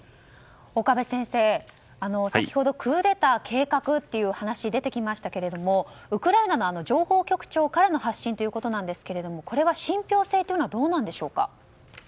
岡部先生、先ほどクーデター計画という話が出てきましたけれどもウクライナの情報局長からの発信ということですがこれは信憑性というのはどうなんでしょうか？